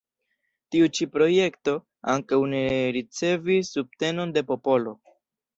Tiu ĉi projekto ankaŭ ne ricevis subtenon de popolo.